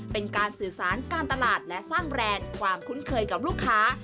เป็นการสื่อสารการตลาดและสร้างแบรนด์ความคุ้นเคยกับลูกค้า